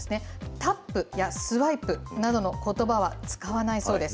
タップやスワイプなどのことばは使わないそうです。